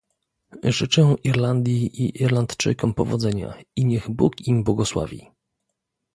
Życzę Irlandii i Irlandczykom powodzenia i niech Bóg im błogosławi